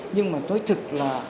nhưng mà tôi thực là